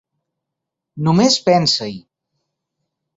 Només pensa-hi!